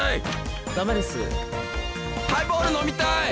ハイボール飲みたい！